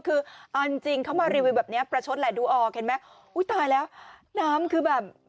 เออนี่ค่ะคุณผู้ชมคือ